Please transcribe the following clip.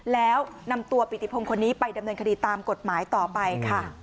แล้วนำตัวปิติพงศ์คนนี้ไปดำเนินคดีตามกฎหมายต่อไปค่ะ